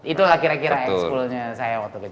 itu lah kira kira ekskulnya saya waktu kecil